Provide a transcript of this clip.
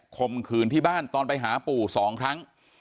ข่มขืนที่บ้านตอนไปหาปู่๒ครั้ง